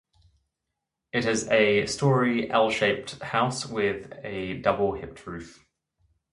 It is a -story, L-shaped house with a double hipped roof.